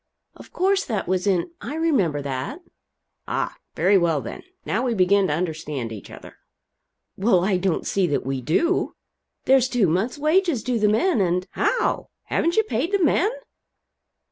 "Of course that was in I remember that." "Ah, very well then. Now we begin to understand each other." "Well, I don't see that we do. There's two months' wages due the men, and " "How? Haven't you paid the men?"